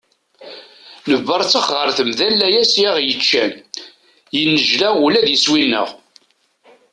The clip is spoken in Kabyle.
Nebberttex ɣer temda n layas i aɣ-yeččan, yennejla ula d iswi-nneɣ.